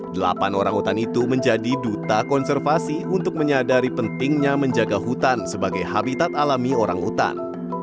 delapan orangutan itu menjadi duta konservasi untuk menyadari pentingnya menjaga hutan sebagai habitat alami orangutan